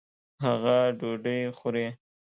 هغه ډوډۍ خوري